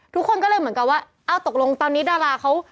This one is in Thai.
ทุกคนก็เลยเหมือนกับว่าอ้าวตกลงตอนนี้ดาราเขา